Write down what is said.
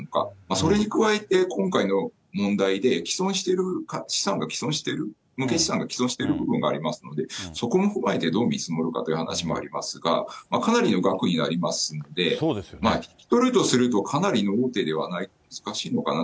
それに加えて、今回の問題で、毀損している、資産がきそんしている、決算がきそんしている可能性がありますので、そこのでどう見積もるのかという話もありますが、かなりの額になりますので、引き取るとすると、かなりの大手じゃないと難しいのかなと。